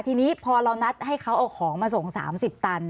ทีนี้พอเรานัดให้เขาเอาของมาส่ง๓๐ตัน